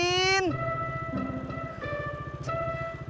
nanti seneng atuh pak makanan dari kampung mah